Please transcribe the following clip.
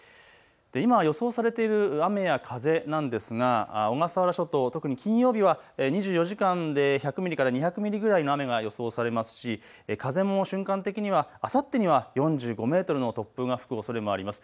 今、予想されている雨や風なんですが小笠原諸島、特に金曜日は２４時間で１００ミリから２００ミリぐらいの雨が予想されますし風も瞬間的にはあさってには４５メートルの突風が吹くおそれもあります。